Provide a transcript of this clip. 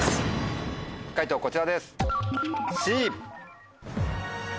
解答こちらです。